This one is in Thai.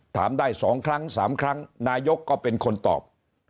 ถามได้๒ครั้ง๓ครั้งนายกก็เป็นคนตอบ